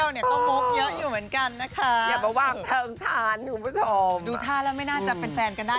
แหมอย่ามาวางเพลิงฉัน